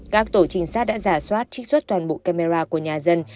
các tổ trinh sát đã giả soát trích xuất toàn bộ camera của nhà dân